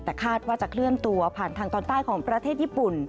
แต่คาดว่าจะเคลื่อนตัวผ่านทางตอนใต้ของประเทศญี่ปุ่น